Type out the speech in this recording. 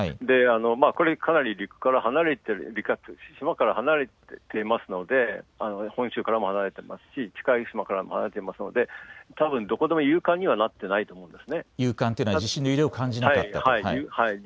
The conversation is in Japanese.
これかなり陸から離れて、島から離れていますので本州からも離れていますし近い島から離れていますのでたぶんどこでもゆうかんにはなってないと思うんです。